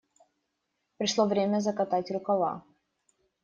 Пришло время закатать рукава.